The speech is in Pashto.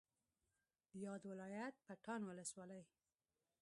د یاد ولایت پټان ولسوالۍ